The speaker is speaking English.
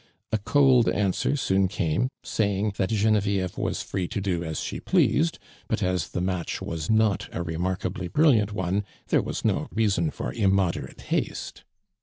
.\ cold answer soon came, saying " that Genevieve was free to do as phe pleased, but as the match was not a remarkably brilliant one, there was no reason for immoderate haste."'